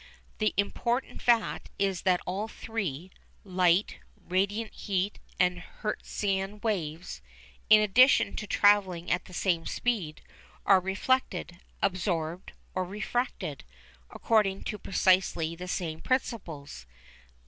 The important fact is that all three light, radiant heat and Hertzian waves in addition to travelling at the same speed, are reflected, absorbed or refracted, according to precisely the same principles.